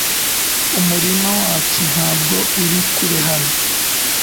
Umurima wacu ntabwo uri kure hano .